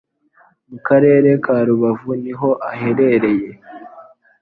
mu Karere ka Rubavu niho aherereye.